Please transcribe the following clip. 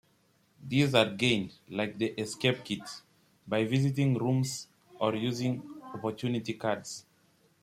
These are gained, like the escape kit, by visiting rooms or using Opportunity Cards.